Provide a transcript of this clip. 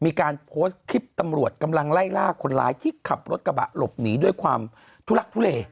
มีการโพสต์คลิปตำรวจกำลังไล่ล่าคนร้ายที่ขับรถกระบะหลบหนีด้วยความทุลักทุเล